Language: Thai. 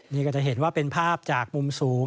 นี่ก็จะเห็นว่าเป็นภาพจากมุมสูง